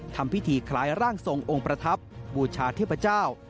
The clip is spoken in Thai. ทำพิธีคล้ายร่างทรงองค์ประทับบูชาเทพเจ้า